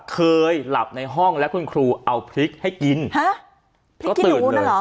เคยหลับในห้องแล้วคุณครูเอาพริกให้กินฮะพริกกินอู๋น่ะเหรอ